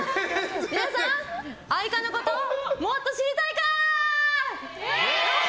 皆さん、愛花のこともっと知りたいかー！